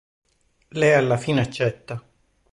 Lei alla fine accetta.